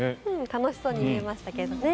楽しそうに見えましたけどね。